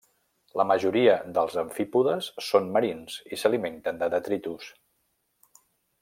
La majoria dels amfípodes són marins i s'alimenten de detritus.